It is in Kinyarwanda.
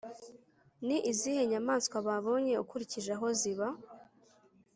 ni izihe nyamaswa babonye ukurikije aho ziba?